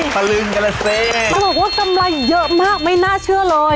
มาล่วงก็ตำร่ายเยอะมากไม่น่าเชื่อเลย